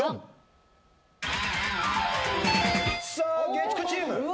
月９チーム！